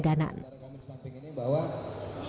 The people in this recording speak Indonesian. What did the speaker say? dan memanfaatkan fitur berlangganan